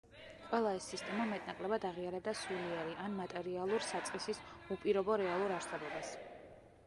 ყველა ეს სისტემა მეტნაკლებად აღიარებდა სულიერი ან მატერიალურ საწყისის უპირობო რეალურ არსებობას.